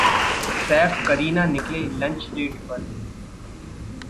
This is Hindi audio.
सैफ-करीना निकले लंच डेट पर